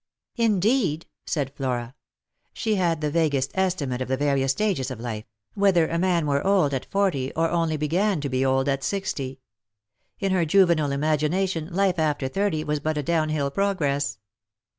" Indeed !" said Flora. She had the vaguest estimate of the various stages of life — whether a man were old at forty or only began to be old at sixty. In her juvenile imagination life after thirty was but a down hill progress.